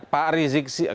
pak rizik siap